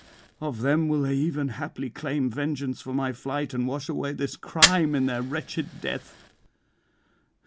Of them will they even haply claim vengeance for my flight, and wash away this crime in their wretched death.